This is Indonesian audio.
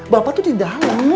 bapak tuh di dalam